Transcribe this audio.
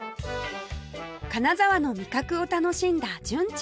金沢の味覚を楽しんだ純ちゃん